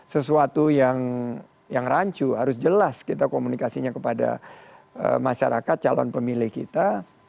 sesuatu yang rancu harus jelas kita komunikasinya kepada masyarakat calon pemilih kita